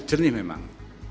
agak jernih memang